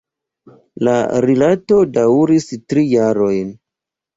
La rilato daŭris tri jarojn.